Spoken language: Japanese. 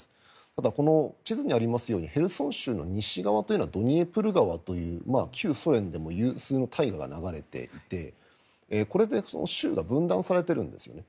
ただ、この地図にありますようにヘルソン州の西側というのはドニエプル川という旧ソ連でも有数の大河が流れていてこれで州が分断されているんですね。